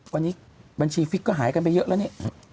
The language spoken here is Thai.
วันนี้บัญชีฟิกก็หายกันไปเยอะแล้วเนี่ย